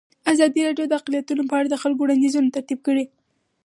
ازادي راډیو د اقلیتونه په اړه د خلکو وړاندیزونه ترتیب کړي.